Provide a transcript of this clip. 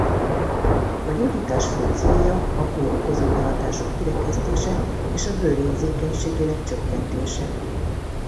A gyógyítás fő célja a kórokozó behatások kirekesztése és a bőr érzékenységének csökkentése.